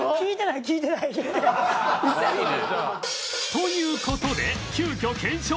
という事で急きょ検証！